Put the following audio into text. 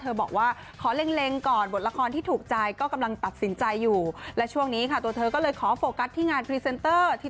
เธอรู้ว่าไม่ใช่เรื่องง่ายที่